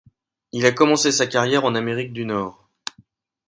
Il a commencé sa carrière en Amérique du Nord.